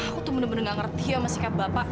aku tuh bener bener gak ngerti sama sikap bapak